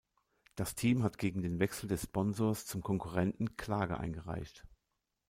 Das Team hat gegen den Wechsel des Sponsors zum Konkurrenten Klage eingereicht.